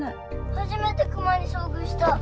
初めてクマに遭遇した。